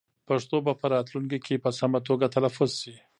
پښتو به په راتلونکي کې په سمه توګه تلفظ شي.